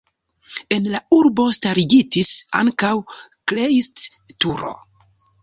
En la urbo starigitis ankaŭ Kleist-turo.